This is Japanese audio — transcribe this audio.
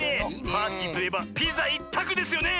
パーティーといえばピザいったくですよね！